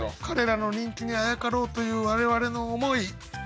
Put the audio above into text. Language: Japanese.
彼らの人気にあやかろうという我々の思い。